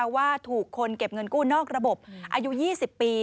ว่าถูกคนเก็บเงินกู้นอกระบบอายุ๒๐ปี